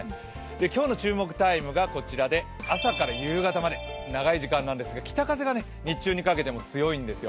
今日の注目タイムがこちらで朝から夕方まで長い時間なんですが北風が日中にかけても強いんですよ。